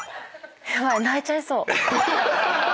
ヤバい泣いちゃいそう。